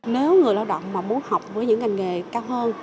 nếu người lao động mà muốn học với những ngành nghề cao hơn